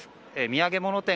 土産物店